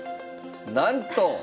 なんと！